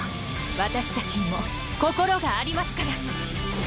私たちにも心がありますから。